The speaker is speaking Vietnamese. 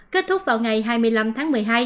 kết thúc vào ngày hai mươi năm tháng một mươi hai